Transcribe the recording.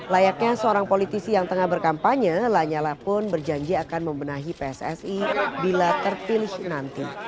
layaknya seorang politisi yang tengah berkampanye lanyala pun berjanji akan membenahi pssi bila terpilih nanti